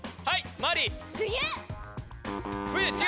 はいマリイ。